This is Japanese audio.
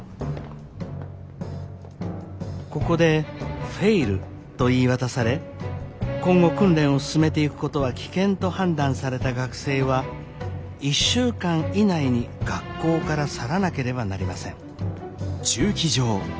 ここでフェイルと言い渡され今後訓練を進めていくことは危険と判断された学生は１週間以内に学校から去らなければなりません。